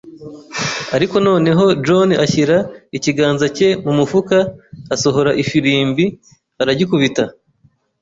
Ariko noneho John ashyira ikiganza cye mu mufuka, asohora ifirimbi, aragikubita